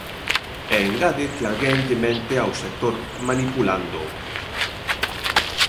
E engade que alguén lle mente ao sector, manipulándoo.